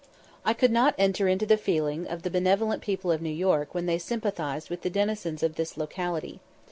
I could not enter into the feelings of the benevolent people of New York when they sympathised with the denizens of this locality.